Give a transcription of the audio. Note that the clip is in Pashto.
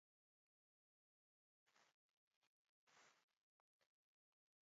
مسینجر کې دې پخوا غـــــــږونه اورم